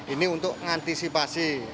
ini untuk mengantisipasi